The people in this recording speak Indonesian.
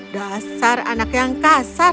dasar anak yang kasar